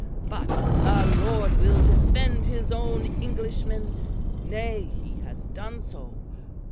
But the Lord will defend His own Englishmen; nay! He has done so.